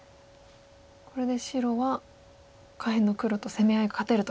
これで白は下辺の黒と攻め合い勝てると。